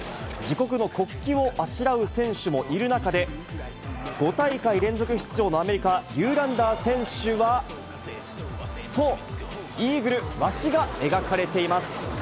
自国の国旗をあしらう選手もいる中で、５大会連続出場のアメリカ、ユーランダー選手は、そう、イーグル、ワシが描かれています。